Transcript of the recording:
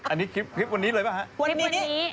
อันนี่คลิปคลิปวันนี้เลยเหรอคะหน้าคลิปวันนี้